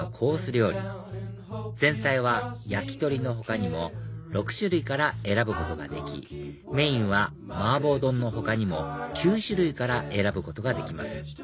料理前菜は焼き鳥の他にも６種類から選ぶことができメインは麻婆丼の他にも９種類から選ぶことができます